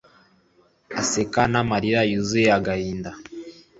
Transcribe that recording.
Aseka namarira yuzuye agahinda